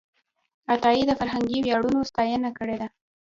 عطایي د فرهنګي ویاړونو ستاینه کړې ده.